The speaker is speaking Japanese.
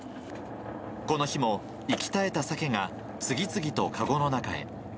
この日も息絶えたサケが次々と籠の中へ。